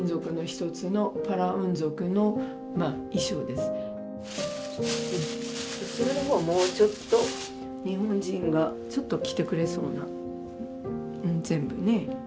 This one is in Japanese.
こちらの方もうちょっと日本人がちょっと着てくれそうな全部ねえ。